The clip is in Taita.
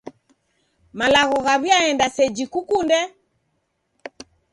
Malagho ghaw'iaenda seji kukunde?